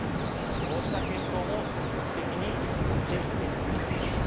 そうした検討も積極的に行っていくべきです。